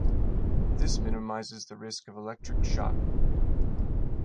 This minimizes the risk of electric shock.